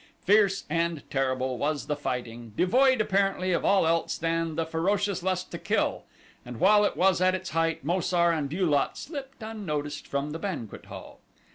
Fierce and terrible was the fighting, devoid, apparently, of all else than the ferocious lust to kill and while it was at its height Mo sar and Bu lot slipped unnoticed from the banquet hall.